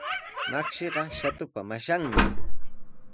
Makshiqa Shatupa mashanmi.